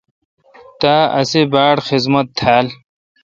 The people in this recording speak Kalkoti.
تا اسی باڑ خذمت تھال۔